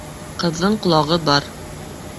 Ҡырҙың ҡолағы бар